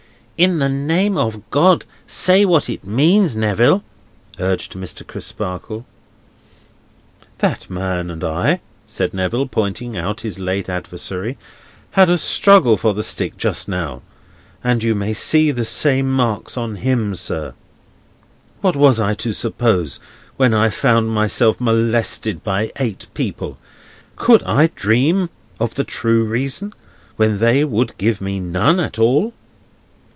"In the name of God, say what it means, Neville!" urged Mr. Crisparkle. "That man and I," said Neville, pointing out his late adversary, "had a struggle for the stick just now, and you may see the same marks on him, sir. What was I to suppose, when I found myself molested by eight people? Could I dream of the true reason when they would give me none at all?"